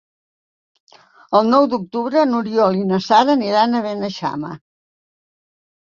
El nou d'octubre n'Oriol i na Sara aniran a Beneixama.